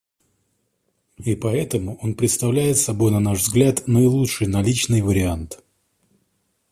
И поэтому он представляет собой, на наш взгляд, наилучший наличный вариант.